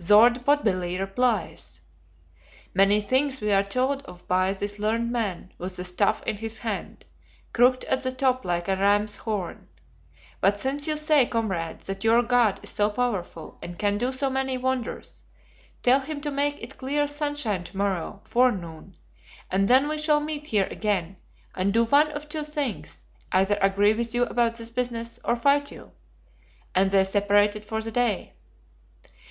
"Thord Potbelly replies, 'Many things we are told of by this learned man with the staff in his hand, crooked at the top like a ram's horn. But since you say, comrades, that your God is so powerful, and can do so many wonders, tell him to make it clear sunshine to morrow forenoon, and then we shall meet here again, and do one of two things, either agree with you about this business, or fight you.' And they separated for the day."